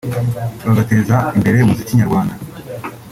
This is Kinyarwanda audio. bagateza imbere umuziki nyarwanda